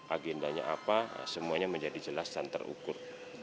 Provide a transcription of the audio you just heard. agendanya apa semuanya menjadi jelas dan terukur